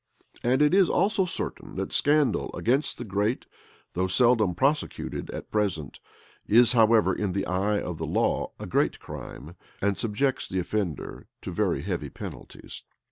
And it is also certain, that scandal against the great, though seldom prosecuted at present, is, however, in the eye of the law, a great crime, and subjects the offender to very heavy penalties.